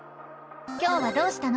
今日はどうしたの？